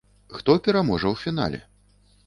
Хто пераможа ў фінале?